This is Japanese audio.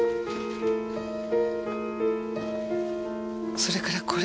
それからこれ。